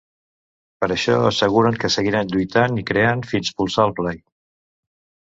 Per això asseguren que seguiran ‘lluitant i creant fins polsar el play’.